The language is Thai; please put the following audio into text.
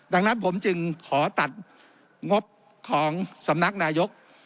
ดังนั้นผมจึงขอตัดงบของสำนักนายก